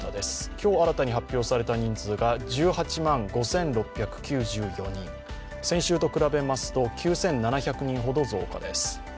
今日新たに発表された人数が１８万５６９４人、先週と比べますと９７００人ほど増加です。